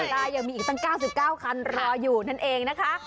ได้ยังมีอีกตั้ง๙๙คันรออยู่นั่นเองนะคะ